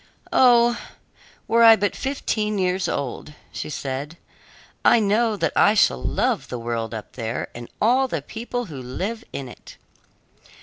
"Oh, were I but fifteen years old!" said she. "I know that I shall love the world up there, and all the people who live in it."